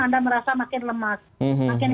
anda merasa makin lemas makin